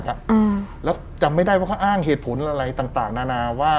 จำยังไม่ได้ว่าเค้าอ้างเหตุผลอะไรต่าง